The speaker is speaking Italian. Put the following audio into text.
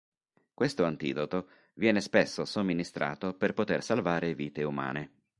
Questo antidoto viene spesso somministrato per poter salvare vite umane.